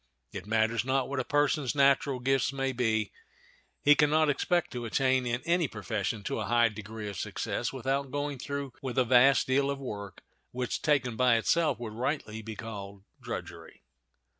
It matters not what a person's natural gifts may be, he can not expect to attain in any profession to a high degree of success without going through with a vast deal of work, which, taken by itself, would rightly be called drudgery.